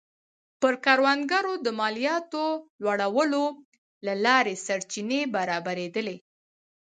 پر کروندګرو د مالیاتو لوړولو له لارې سرچینې برابرېدلې